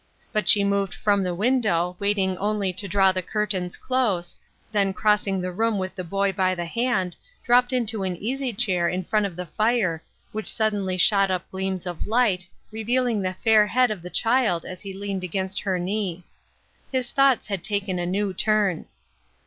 But she moved from the window, waiting only to draw the curtains close, then crossing the room with the boy by the hand, dropped into an easy chair in front of the fire, which suddenly shot up gleams of light, revealing the fair head of the child as he leaned against her knee. His thoughts had taken a new turn.